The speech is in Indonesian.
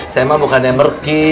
saya emang bukan yang merki